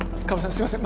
すいません